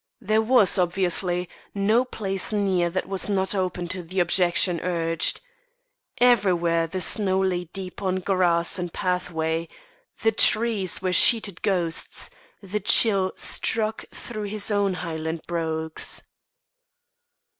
There was, obviously, no place near that was not open to the objection urged. Everywhere the snow lay deep on grass and pathway; the trees were sheeted ghosts, the chill struck through his own Highland brogues.